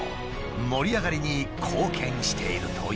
盛り上がりに貢献しているという。